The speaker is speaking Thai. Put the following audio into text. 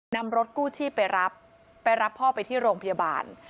นำรถกู้ชีพไปรับไปรับพ่อไปที่โรงพยาบาล